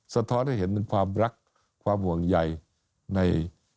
สะท้อนให้เห็นถึงความรักความห่วงใยใน